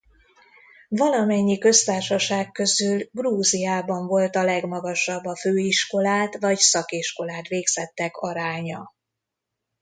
Valamennyi köztársaság közül Grúziában volt a legmagasabb a főiskolát vagy szakiskolát végzettek aránya.